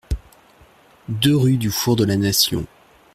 deux rue du Four de la Nation